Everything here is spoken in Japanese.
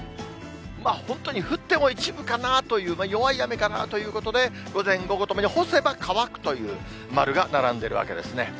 本当に降っても一部かなという、弱い雨かなということで、午前、午後ともに干せば乾くという丸が並んでいるわけですね。